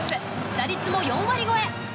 打率も４割超え。